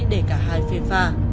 để cả hai phê pha